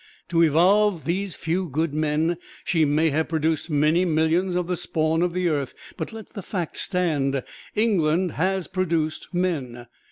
To evolve these few good men she may have produced many millions of the spawn of earth, but let the fact stand England has produced men.